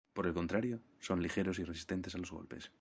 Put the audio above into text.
Por el contrario, son ligeros y resistentes a los golpes.